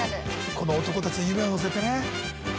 この男たちの夢を乗せてね。